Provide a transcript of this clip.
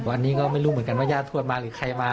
วันนี้ก็ไม่รู้เหมือนกันว่าย่าทวดมาหรือใครมา